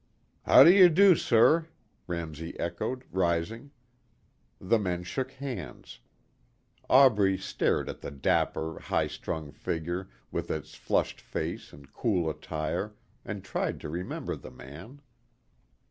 "How do you do, sir," Ramsey echoed, rising. The men shook hands. Aubrey stared at the dapper, high strung figure with its flushed face and cool attire and tried to remember the man.